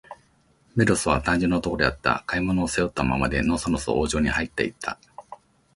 メロスは、単純な男であった。買い物を、背負ったままで、のそのそ王城にはいって行った。